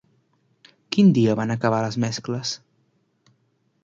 Quin dia van acabar les mescles?